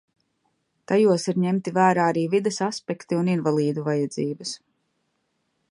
Tajos ir ņemti vērā arī vides aspekti un invalīdu vajadzības.